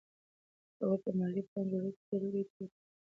هغوی په مالي پلان جوړونه کې ډېرې لویې تېروتنې لرلې.